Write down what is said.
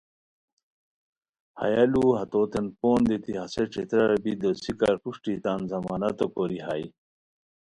ہیہ لُوؤ ہتوتین پون دیتی ہسے ݯھترارا بی دوسیکار پروشٹی تان ضمانتو کوری ہائے